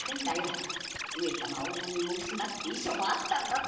「上様お恨み申します」って遺書もあったんだってさ！